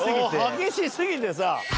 激しすぎてさ。